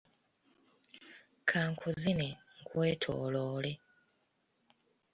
Ka nkuzine nkwetoloole.